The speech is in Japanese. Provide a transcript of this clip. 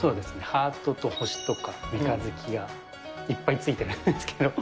ハートと星とか、三日月がいっぱいついているんですけれども。